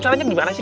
caranya gimana sih